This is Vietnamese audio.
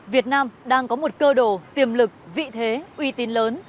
việt nam đang có một cơ đồ tiềm lực vị thế uy tín lớn